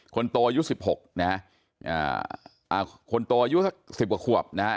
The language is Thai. คนโตอายุสิบหกนะฮะคนโตอายุสักสิบกว่าขวบนะฮะ